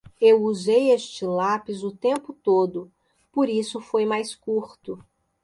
Eu usei este lápis o tempo todo, por isso foi mais curto.